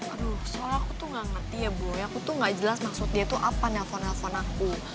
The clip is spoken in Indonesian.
aduh soal aku tuh gak ngerti ya bro aku tuh gak jelas maksud dia tuh apa nelfon nelfon aku